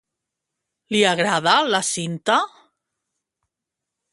Li agrada la Cinta?